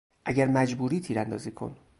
اگر مجبوری تیراندازی کن!